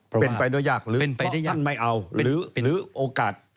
เป็นไปได้ยากหรือเพราะท่านไม่เอาหรือโอกาส